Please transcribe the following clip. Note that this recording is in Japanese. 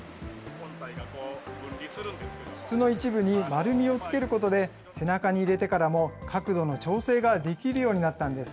筒の一部に丸みをつけることで、背中に入れてからも角度の調整ができるようになったんです。